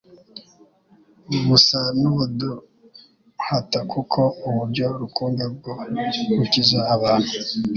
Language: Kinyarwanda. busa n'ubuduhata kuko uburyo rukumbi bwo gukiza abantu